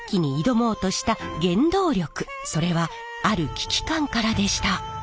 それはある危機感からでした。